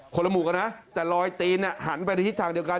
ละหมู่กันนะแต่ลอยตีนหันไปในทิศทางเดียวกัน